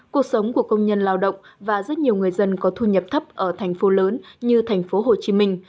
cuộc sống của công nhân lao động và rất nhiều người dân có thu nhập thấp ở thành phố lớn như thành phố hồ chí minh